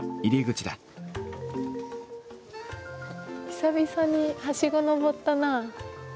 久々にはしご登ったなあ。